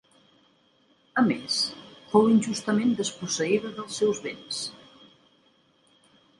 A més, fou injustament desposseïda dels seus béns.